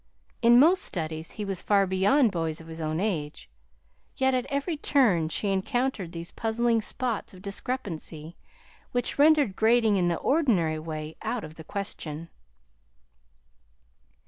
In most studies he was far beyond boys of his own age, yet at every turn she encountered these puzzling spots of discrepancy, which rendered grading in the ordinary way out of the question.